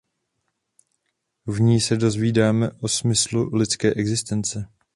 V ní se dozvídáme o smyslu lidské existence.